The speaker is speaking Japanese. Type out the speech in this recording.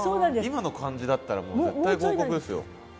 今の感じだったらもう絶対合格ですよ。